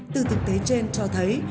từ thực tế trên cho thấy